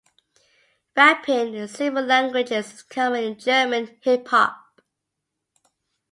Rapping in several languages is common in German hip hop.